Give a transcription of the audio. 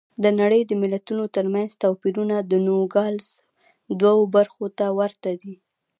د نړۍ د ملتونو ترمنځ توپیرونه د نوګالس دوو برخو ته ورته دي.